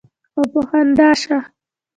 او پۀ خندا شۀ ـ